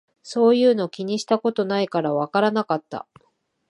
そういうの気にしたことないからわからなかった